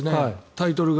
タイトルが。